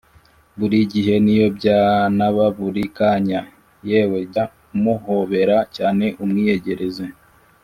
buri gihe niyo byanaba buri kanya yewe jya umuhobera cyane umwiyegereze,